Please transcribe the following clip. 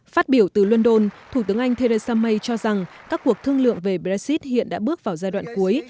phát biểu từ london thủ tướng anh theresa may cho rằng các cuộc thương lượng về brexit hiện đã bước vào giai đoạn cuối